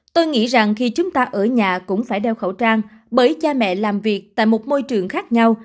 tôi nghĩ rằng khi chúng ta ở nhà cũng phải đeo khẩu trang bởi cha mẹ làm việc tại một môi trường khác nhau